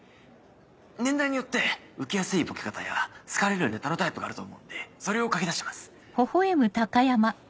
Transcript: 年代によってウケやすいボケ方や好かれるネタのタイプがあると思うんでそれを書き出してます。